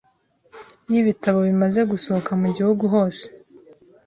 yibitabo bimaze gusohoka mugihugu hose